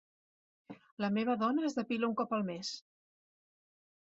La meva dona es depila un cop al mes.